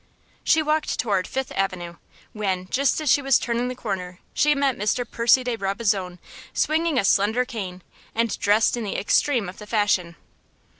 She walked toward Fifth Avenue, when, just as she was turning the corner, she met Mr. Percy de Brabazon, swinging a slender cane, and dressed in the extreme of the fashion.